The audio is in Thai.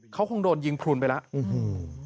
เขาคงโดนยิงพลุนไปแล้ว